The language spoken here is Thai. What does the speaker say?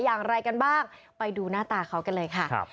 อย่างไรกันบ้างไปดูหน้าตาเขากันเลยค่ะ